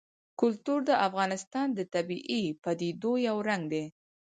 کلتور د افغانستان د طبیعي پدیدو یو رنګ دی.